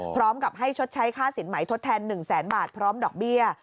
พร้อมกับให้ชดใช้ค่าสินใหม่ทดแทน๑แสนบาทพร้อมดอกเบี้ย